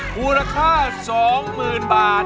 มูลค่า๒๐๐๐๐บาท